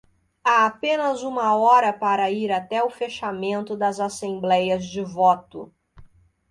Há apenas uma hora para ir até o fechamento das assembleias de voto.